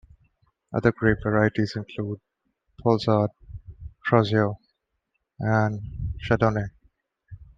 Other grape varieties include Poulsard, Trousseau, and Chardonnay.